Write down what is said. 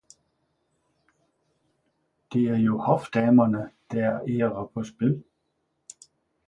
Det er jo Hofdamerne, der ere paa Spil!